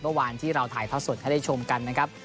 เมื่อวานที่เราถ่ายทอดสดให้ได้ชมกันนะครับ